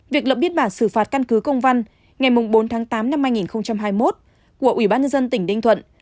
việc lộ biết bản xử phạt căn cứ công văn ngày bốn tháng tám năm hai nghìn hai mươi một của ủy ban dân tỉnh ninh thuận